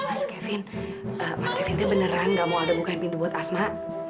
mas kevin mas kevin beneran gak mau alda bukain pintu buat asma